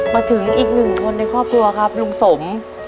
มาถึงอีกหนึ่งคนในครอบครัวครับลุงสม